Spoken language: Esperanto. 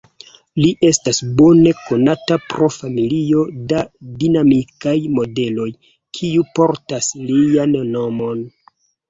Li estas bone konata pro familio da dinamikaj modeloj, kiu portas lian nomon.